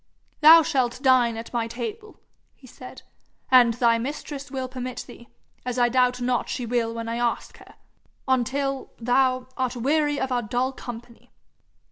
'Thou shalt dine at my table,' he said, 'an' thy mistress will permit thee, as I doubt not she will when I ask her, until thou, art weary of our dull company.